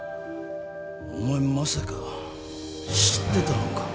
お前まさか知ってたのか？